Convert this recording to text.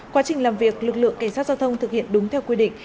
quá trình làm việc lực lượng cảnh sát giao thông thực hiện đúng theo quy định